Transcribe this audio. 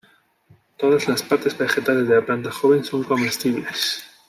Todas las partes vegetales de la planta joven son comestibles.